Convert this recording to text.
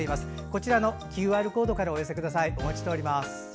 こちらのＱＲコードからお寄せください。